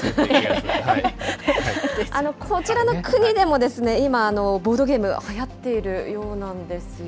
こちらの国でも今、ボードゲーム、はやっているようなんですよ。